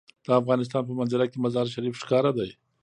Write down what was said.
د افغانستان په منظره کې مزارشریف ښکاره ده.